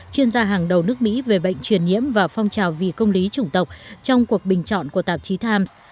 chuyên gia hàng đầu nước mỹ về bệnh truyền nhiễm và phong trào vì công lý chủng tộc trong cuộc bình chọn của tạp chí times